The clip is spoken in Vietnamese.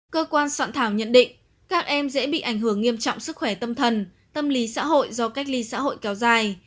cơ quan soạn thảo nhận định các em dễ bị ảnh hưởng nghiêm trọng sức khỏe tâm thần tâm lý xã hội do cách ly xã hội kéo dài